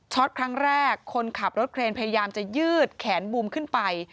ครั้งแรกคนขับรถเครนพยายามจะยืดแขนบูมขึ้นไป